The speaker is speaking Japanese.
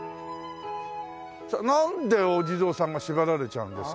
なんでお地蔵さんがしばられちゃうんですか？